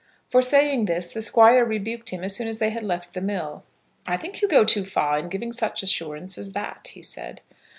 For saying this the Squire rebuked him as soon as they had left the mill. "I think you go too far in giving such assurance as that," he said.